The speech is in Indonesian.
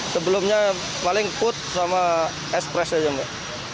sebelumnya paling food sama espres aja mbak